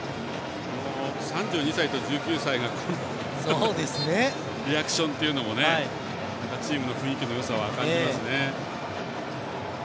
３２歳と１９歳がこのリアクションというのもチームの雰囲気のよさを感じますね。